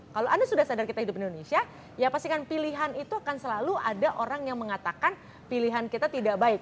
kalau anda sudah sadar kita hidup di indonesia ya pastikan pilihan itu akan selalu ada orang yang mengatakan pilihan kita tidak baik